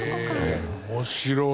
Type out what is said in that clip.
面白い。